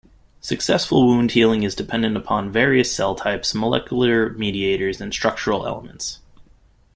Successful wound healing is dependent upon various cell types, molecular mediators and structural elements.